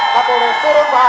kita amankan pak